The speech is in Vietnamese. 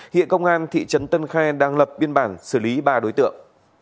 hiện công an thị trấn tân khai đang lập biên bản xử lý ba đối tượng